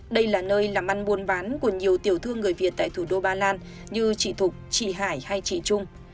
đây là nơi làm ăn buôn bán của nhiều tiểu thương người việt tại thủ đô ba lan như chị thục chị hải hay chị trung